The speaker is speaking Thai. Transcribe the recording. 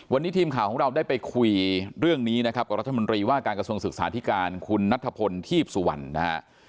วันนี้ทีมข่าวของเราได้ไปคุยเรื่องนี้นะครับกับรัฐมนตรีว่าการกระทรวงศึกษาธิการคุณนัทพลทีพสุวรรณนะฮะ